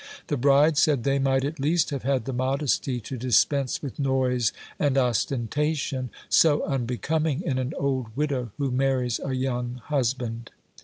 The bride, said they, might at least have had the modesty to dispense with noise and ostentation, so unbecoming in an old widow who marries a young husband.